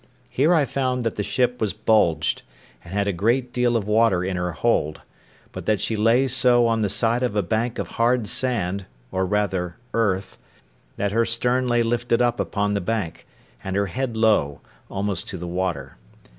Here I found that the ship was bulged, and had a great deal of water in her hold, but that she lay so on the side of a bank of hard sand, or, rather earth, that her stern lay lifted up upon the bank, and her head low, almost to the water.